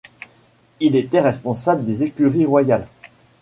Il était responsable des écuries royales.